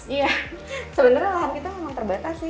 iya sebenarnya lahan kita memang terbatas sih